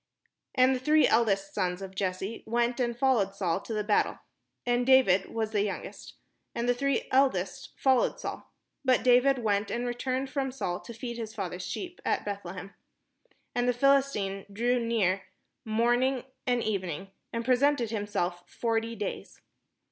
And the three eldest sons of Jesse went and followed Saul to the battle: and David was the youngest : and the three eldest followed Saul. But David went and returned from Saul to feed his father's sheep at Beth lehem. And the PhiHstine drew near morning and evening, and presented himself forty days.